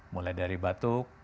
mulai dari batuk